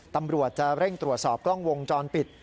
ตำรวจจะเร่งตรวจสอบกล้องวงจรปิด